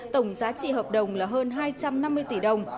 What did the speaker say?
tổng giá trị hợp đồng là hơn hai trăm năm mươi tỷ đồng